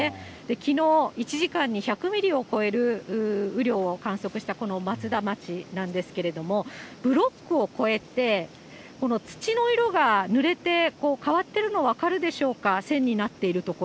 きのう、１時間に１００ミリを超える雨量を観測した、この松田町なんですけれども、ブロックを越えて、この土の色が、ぬれて変わってるの分かるでしょうか、線になっている所。